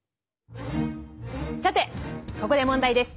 さてここで問題です。